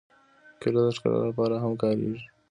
کېله د ښکلا لپاره هم کارېږي.